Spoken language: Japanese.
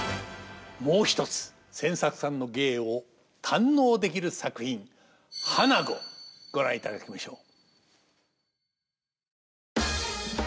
もう一つ千作さんの芸を堪能できる作品「花子」ご覧いただきましょう。